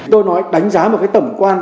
tôi nói đánh giá một cái tổng quan